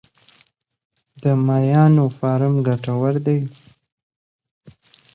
د ماهیانو فارم ګټور دی؟